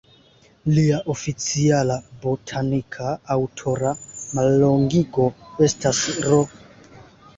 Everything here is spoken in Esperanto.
Lia oficiala botanika aŭtora mallongigo estas "R.